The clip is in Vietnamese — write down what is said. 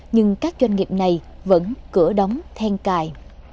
nhưng các doanh nghiệp này vẫn cửa đóng then cài